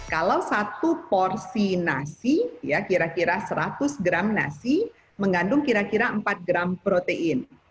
kalau satu porsi nasi ya kira kira seratus gram nasi mengandung kira kira empat gram protein